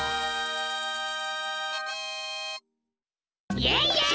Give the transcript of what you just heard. イエイイエイ！